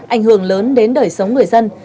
ảnh hưởng lớn đến đời sống người dân